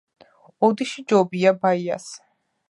ოდიში ჯობია ბაიას